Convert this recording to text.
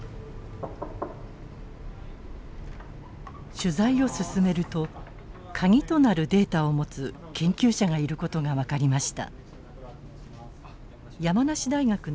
取材を進めると鍵となるデータを持つ研究者がいる事が分かりました。